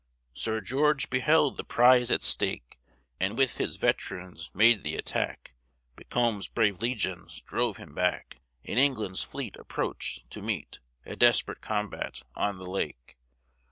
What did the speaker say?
Sir George beheld the prize at stake, And, with his veterans, made the attack, Macomb's brave legions drove him back; And England's fleet approached, to meet A desperate combat, on the lake.